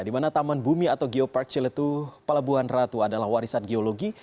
di mana taman bumi atau geopark ciletu pelabuhan ratu adalah warisan geologi